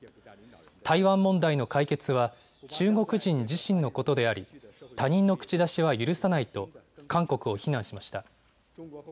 台湾問題の解決は中国人自身のことであり、他人の口出しは許さないと韓国を非難しました。